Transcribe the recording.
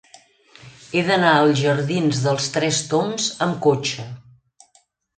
He d'anar als jardins dels Tres Tombs amb cotxe.